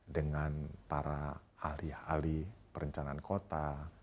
dengan para ahli ahli perencanaan kota